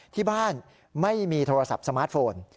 ที่บ้านไม่มีโทรศัพท์สมาร์ทโฟน